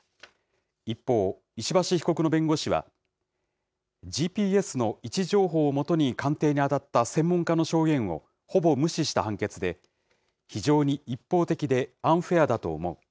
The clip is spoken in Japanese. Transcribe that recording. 一方、石橋被告の弁護士は、ＧＰＳの位置情報を基に鑑定に当たった専門家の証言をほぼ無視した判決で、非常に一方的でアンフェアだと思う。